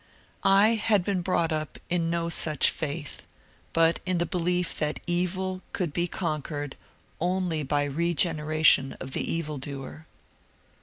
I had been brought up in no such faith, but in the belief that evil could be con quered only by regeneration of the evil doer.